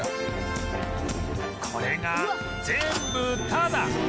これが全部タダ